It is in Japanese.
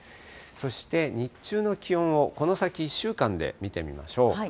そして日中の気温をこの先１週間で見てみましょう。